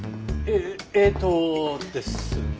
えーっとですね。